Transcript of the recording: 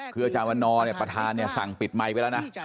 คืออาจารย์วันนอร์เนี่ยประธานสั่งปิดไมค์ไปแล้วนะ